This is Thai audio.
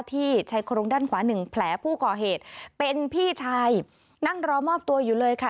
ที่ชายโครงด้านขวาหนึ่งแผลผู้ก่อเหตุเป็นพี่ชายนั่งรอมอบตัวอยู่เลยค่ะ